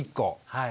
はい。